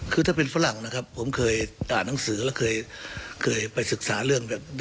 คือถ้าเป็นฝรั่งนะครับผมเคยอ่านหนังสือแล้วเคยไปศึกษาเรื่องแบบ